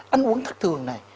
ăn uống thức thường này